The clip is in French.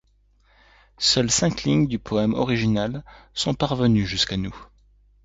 Seules cinq lignes du poème original sont parvenues jusqu'à nous.